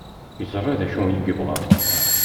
Yeẓra d acu ay yebɣa.